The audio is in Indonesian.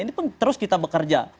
ini pun terus kita bekerja